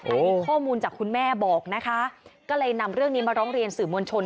อันนี้ข้อมูลจากคุณแม่บอกนะคะก็เลยนำเรื่องนี้มาร้องเรียนสื่อมวลชน